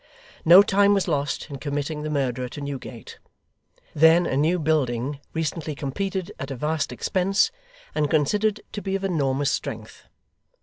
No time was lost in committing the murderer to Newgate; then a new building, recently completed at a vast expense, and considered to be of enormous strength.